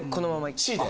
Ｃで？